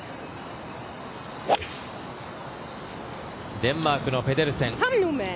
デンマークのペデルセン。